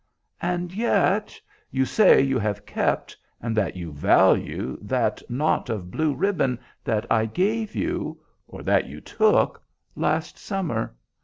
"And yet you say you have kept, and that you value, that knot of blue ribbon that I gave you or that you took last summer.